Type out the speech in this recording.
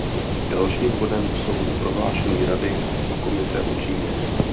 Dalším bodem jsou prohlášení Rady a Komise o Číně.